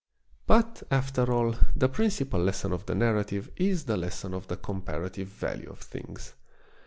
But, after all, the principal lesson of the narrative is the lesson of the comparative value of things.